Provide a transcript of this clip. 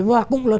và cũng là